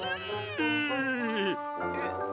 えっ？